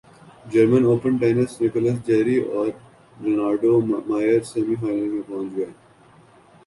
German Open tennis Nicolas Jarry اور Leonardo Mayer semi final میں پہنچ گئے